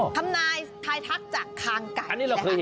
ทำนายทายทักจากคางไก่